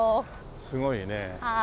すごいね。